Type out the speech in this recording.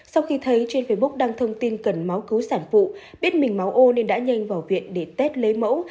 sau khi thấy trên facebook đăng thông tin cần máu cứu sản phụ biết mình máu ô nên đã nhanh vào viện để test lấy mẫu